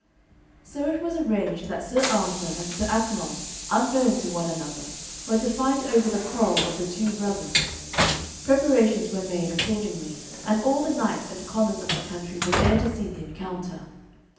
So it was arranged that Sir Arthur and Sir Accolon, unknown to one another, were to fight over the quarrel of the two brothers. Preparations were made accordingly, and all the knights and commons of the country were there to see the encounter.